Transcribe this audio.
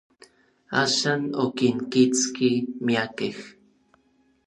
Axan, okinkitski miakej.